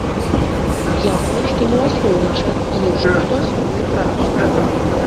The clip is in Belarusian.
Ясна, што не ў асноўны час і не ў шкоду асноўнай працы.